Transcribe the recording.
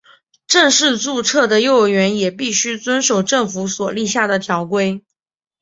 正式注册的幼儿园也必须遵守政府所立下的条规。